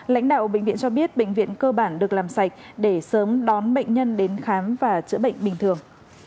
lãnh đạo bệnh viện cho biết bệnh viện cơ bản được làm sạch để sớm đón bệnh nhân đến khám và chữa bệnh bình thường